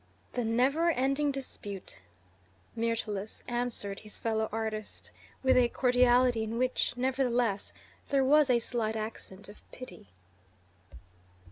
"The never ending dispute," Myrtilus answered his fellow artist, with a cordiality in which, nevertheless, there was a slight accent of pity.